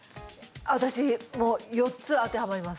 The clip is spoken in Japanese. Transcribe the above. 私もう４つ当てはまります